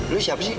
lo siapa sih